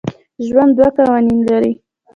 ژوند دوه قوانین لري.